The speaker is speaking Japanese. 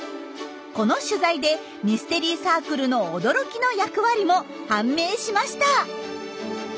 この取材でミステリーサークルの驚きの役割も判明しました！